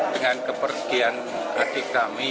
dengan kepergian adik kami